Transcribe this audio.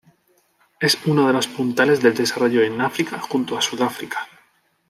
Es uno de los puntales del desarrollo en África junto a Sudáfrica.